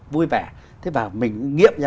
vui vẻ thế và mình nghiệp ra